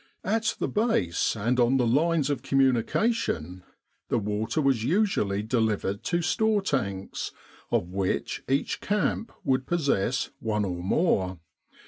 At the Base and on the lines of communica tion, the water was usually delivered to store tanks, of which each camp would possess one or more.